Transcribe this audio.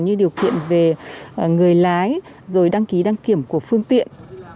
như điều kiện về người lái rồi đăng ký đăng kiểm của phương tiện